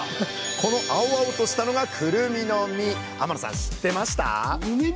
この青々としたのが天野さん知ってました？